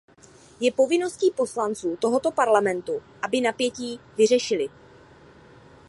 Je povinností poslanců tohoto Parlamentu, aby napětí vyřešili.